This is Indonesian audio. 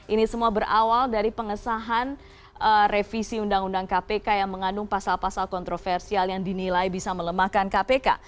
ini semua berawal dari pengesahan revisi undang undang kpk yang mengandung pasal pasal kontroversial yang dinilai bisa melemahkan kpk